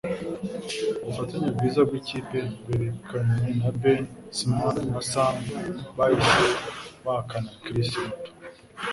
Ubufatanye bwiza bwikipe bwerekanwe na Ben, Simon na Sam bahise bahakana Chris muto.